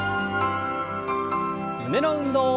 胸の運動。